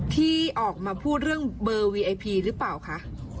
ที่ออกมาพูดเรื่องเบอร์วีไอพีหรือเปล่าคะ